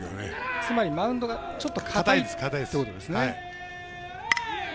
つまりマウンドがちょっと硬いっていうことですね。